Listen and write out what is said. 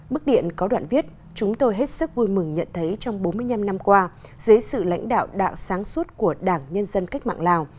bức điện có đoạn viết chúng tôi hết sức vui mừng nhận thấy trong bốn mươi năm năm qua dưới sự lãnh đạo đạo sáng suốt của đảng nhân dân cách mạng lào